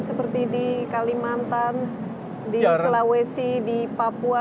seperti di kalimantan di sulawesi di papua